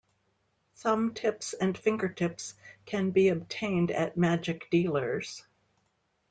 Thumb tips and finger tips can be obtained at magic dealers.